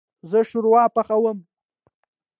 زه شوروا پخوم